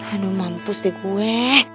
aduh mampus deh gue